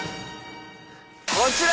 こちら！